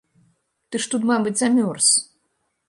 Ты ж тут, мабыць, змёрз.